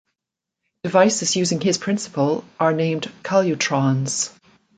Devices using his principle are named calutrons.